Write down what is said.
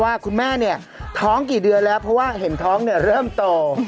ว่าคุณแม่เนี่ยท้องกี่เดือนแล้วเพราะว่าเห็นท้องเนี่ยเริ่มโต